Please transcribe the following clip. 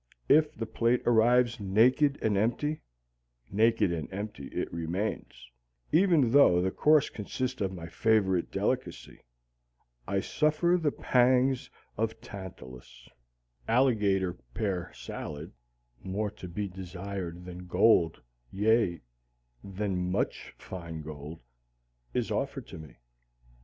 If the plate arrives naked and empty, naked and empty it remains, even though the course consist of my favorite delicacy. I suffer the pangs of Tantalus. Alligator pear salad more to be desired than gold, yea, than much fine gold is offered to me.